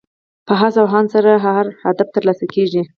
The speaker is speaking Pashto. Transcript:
په هڅه او هاند سره هر هدف ترلاسه کېږي.